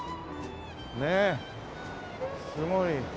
ねえすごい。